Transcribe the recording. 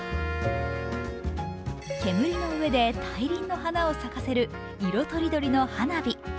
煙の上で大輪の花を咲かせる色とりどりの花火。